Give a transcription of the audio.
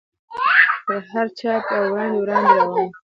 تر هر چا به وړاندې وړاندې روان و.